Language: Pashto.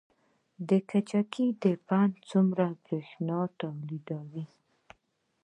د کجکي بند څومره بریښنا تولیدوي؟